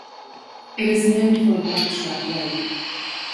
It is named for Blackstrap Lake.